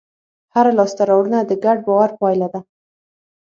هره لاستهراوړنه د ګډ باور پایله ده.